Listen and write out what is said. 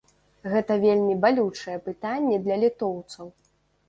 Гэта вельмі балючае пытанне для літоўцаў.